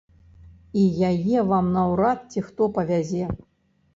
І яе вам наўрад ці хто павязе.